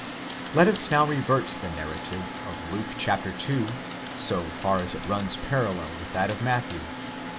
® Let us now revert to the narrative of Luke, chap. ii, so far as it runs parallel with that of Matthew.